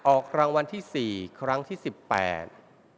ออกรางวัลที่สี่ครั้งที่สิบแปด